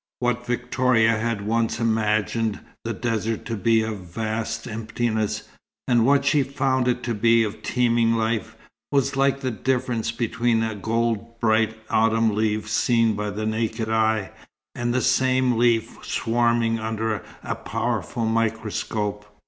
What Victoria had once imagined the desert to be of vast emptiness, and what she found it to be of teeming life, was like the difference between a gold bright autumn leaf seen by the naked eye, and the same leaf swarming under a powerful microscope.